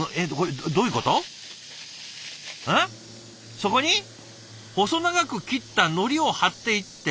そこに細長く切ったのりを貼っていって。